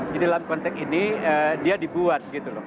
jadi dalam konteks ini dia dibuat gitu loh